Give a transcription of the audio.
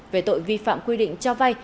về tội vi phạm quy định cho vay